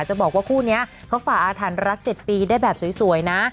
จะบอกว่าคู่นี้เขาฝ่าอาถรรพ์รัก๗ปีได้แบบสวยนะ